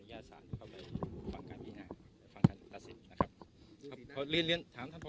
ที่ห้างฝั่งการสิทธิ์นะครับครับขอเรียนเรียนถามท่านพ่อ